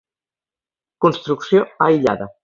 Construcció aïllada.